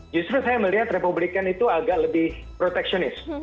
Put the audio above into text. justru saya melihat republikan itu agak lebih proteksionis